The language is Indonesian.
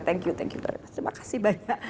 terima kasih banyak